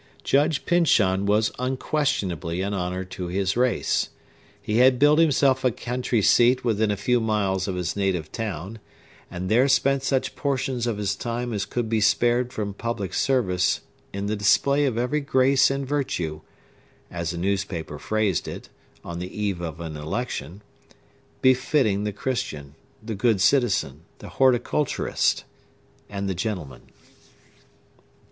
Judge Pyncheon was unquestionably an honor to his race. He had built himself a country seat within a few miles of his native town, and there spent such portions of his time as could be spared from public service in the display of every grace and virtue—as a newspaper phrased it, on the eve of an election—befitting the Christian, the good citizen, the horticulturist, and the gentleman.